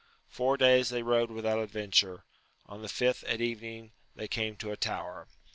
Four days they rode without adventure ; on the fifth at evening they came to a tower.